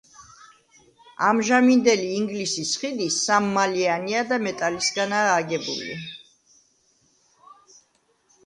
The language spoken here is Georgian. ამჟამინდელი ინგლისის ხიდი სამმალიანია და მეტალისგანაა აგებული.